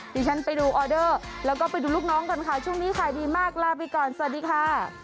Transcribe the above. ดิฉันไปดูออเดอร์แล้วก็ไปดูลูกน้องกันค่ะช่วงนี้ขายดีมากลาไปก่อนสวัสดีค่ะ